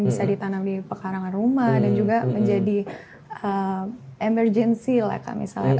bisa ditanam di pekarangan rumah dan juga menjadi emergency lah misalnya